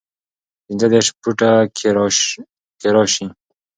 پنځۀدېرش فوټو کښې راشي